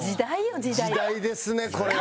時代ですねこれは。